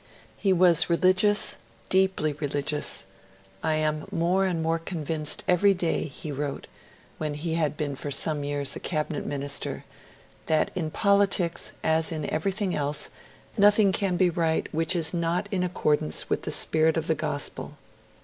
He was religious, deeply religious. 'I am more and more convinced every day,' he wrote, when he had been for some years a Cabinet Minister, 'that in politics, as in everything else, nothing can be right which is not in accordance with the spirit of the Gospel.'